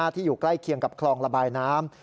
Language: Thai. ที่อยู่ใกล้เคียงกับคลองระบายน้ำ